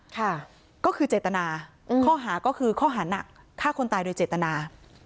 ค่ะก็คือเจตนาข้อหาก็คือข้อหานักฆ่าคนตายโดยเจตนา